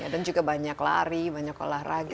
dan juga banyak lari banyak olahraga